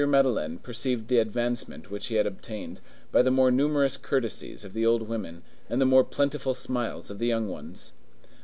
Madeleine perceived the advancement which he had obtained, by the more numerous courtesies of the old women and the more plentiful smiles of the young ones.